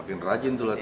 makin rajin tuh latihan